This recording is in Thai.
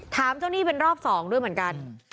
ถามเจ้าหนี้เป็นรอบสองด้วยเหมือนกัน